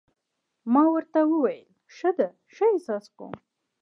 ما ورته وویل: ښه ده، ښه احساس کوم.